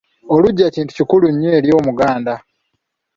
Oluggya kintu kikulu nnyo eri omuganda.